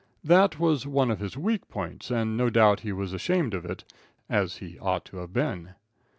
That was one of his weak points, and no doubt he was ashamed of it, as he ought to have been.